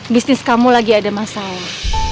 bisnis kamu lagi ada masalah